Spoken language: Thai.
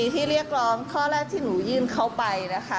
ที่เรียกร้องข้อแรกที่หนูยื่นเขาไปนะคะ